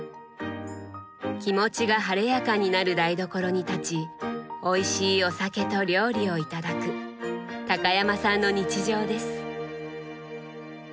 気持ちが晴れやかになる台所に立ちおいしいお酒と料理を頂く高山さんの日常です。